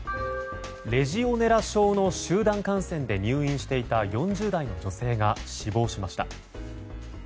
レジオネラ症の集団感染で入院していた４０代の女性が死亡しました。